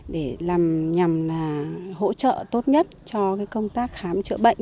để làm nhằm hỗ trợ tốt nhất cho công tác khám chữa bệnh